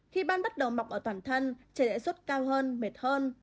khi ban bắt đầu mọc ở toàn thân trẻ lãi suất cao hơn mệt hơn